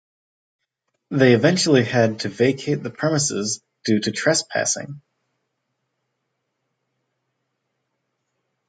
They eventually had to vacate the premises due to trespassing.